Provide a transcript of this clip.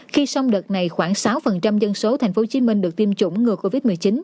khi xong đợt này khoảng sáu dân số thành phố hồ chí minh được tiêm chủng ngừa covid một mươi chín